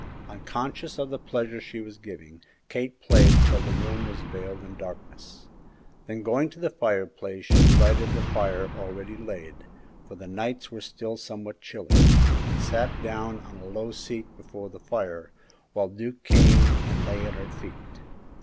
Unconscious of the pleasure she was giving, Kate played till the room was veiled in darkness; then going to the fireplace she lighted the fire already laid for the nights were still somewhat chilly and sat down on a low seat before the fire, while Duke came and lay at her feet.